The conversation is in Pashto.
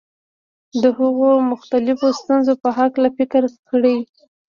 د هغو مختلفو ستونزو په هکله فکر کړی.